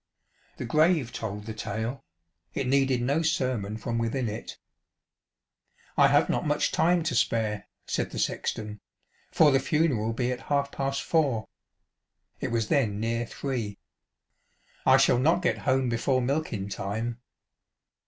The grave told the tale ; it needed no sermon from within it. " I have not much time to spare," said the sexton, " for the funeral be at half past four." It was then near three. " I shall not get home before milkin' time."